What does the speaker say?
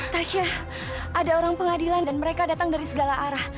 tasyah ada orang pengadilan dan mereka datang dari segala arah